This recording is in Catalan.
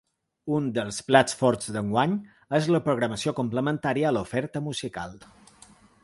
Un dels plats forts d’enguany és la programació complementària a l’oferta musical.